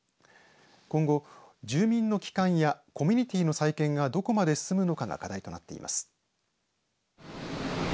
今後、住民の帰還やコミュニティーの再建がどこまで進むのかが課題となっています。